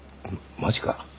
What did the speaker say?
マジか。